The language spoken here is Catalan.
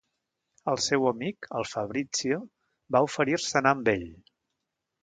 El seu amic, el Fabrizio, va oferir-se a anar amb ell.